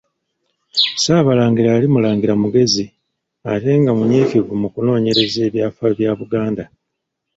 Ssaabalangira yali Mulangira mugezi ate nga munyiikivu mu kunoonyereza ebyafaayo bya Buganda.